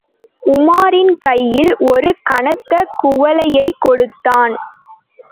உமாரின் கையில் ஒரு கனத்த குவளையைக் கொடுத்தான்.